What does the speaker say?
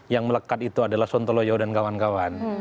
yang melekat itu adalah sontoloyo dan kawan kawan